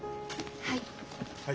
はい。